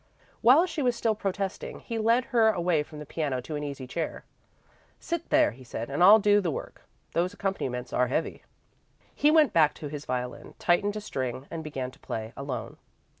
While she was still protesting, he led her away from the piano to an easy chair. "Sit there," he said, "and I'll do the work. Those accompaniments are heavy." He went back to his violin, tightened a string, and began to play, alone.